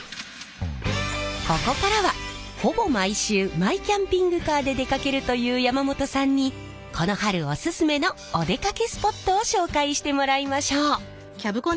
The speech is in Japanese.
ここからはほぼ毎週マイキャンピングカーで出かけるという山本さんにこの春おすすめのお出かけスポットを紹介してもらいましょう。